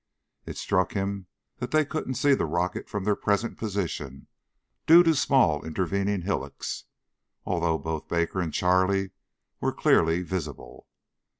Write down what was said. It struck him that they couldn't see the rocket from their present position due to small intervening hillocks, although both Baker and Charlie were clearly visible.